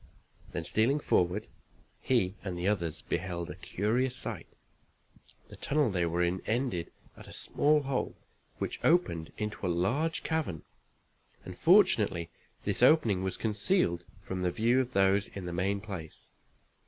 Then, stealing forward he and the others beheld a curious sight. The tunnel they were in ended at a small hole which opened into a large cavern, and, fortunately, this opening was concealed from the view of those in the main place.